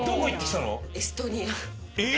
エストニア？